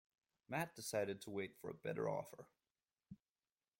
Matt decided to wait for a better offer.